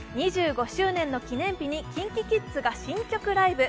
２５周年の記念日にＫｉｎＫｉＫｉｄｓが新曲ライブ。